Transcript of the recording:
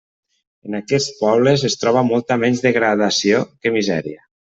En aquests pobles, es troba molta menys degradació que misèria.